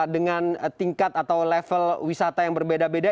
dengan tingkat atau level wisata yang berbeda beda